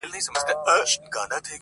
عالمه یو تر بل جارېږی،